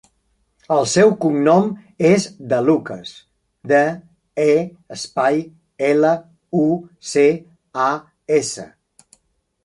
El seu cognom és De Lucas: de, e, espai, ela, u, ce, a, essa.